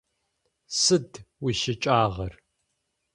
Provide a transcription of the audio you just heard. Сыд уищыкӀагъэр?